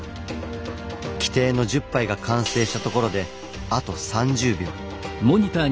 規定の１０杯が完成したところであと３０秒。